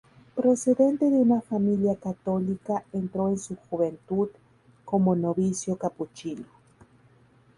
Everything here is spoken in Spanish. Procedente de una familia católica entró en su juventud como novicio capuchino.